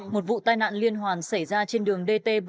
một vụ tai nạn liên hoàn xảy ra trên đường dt bảy trăm bốn mươi một